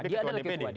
tapi ketua dpd